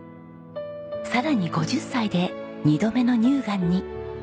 さらに５０歳で２度目の乳がんに。